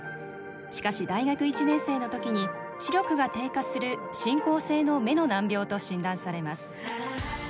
しかし、大学１年生のときに視力が低下する進行性の目の難病と診断されます。